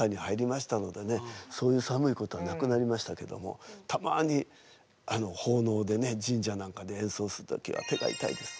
そういう寒いことはなくなりましたけどもたまにほうのうでね神社なんかで演奏する時は手が痛いです。